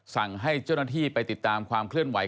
สั่งให้เจ้าหน้าที่ไปติดตามความเคลื่อนไหว